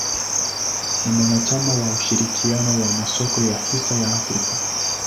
Ni mwanachama wa ushirikiano wa masoko ya hisa ya Afrika.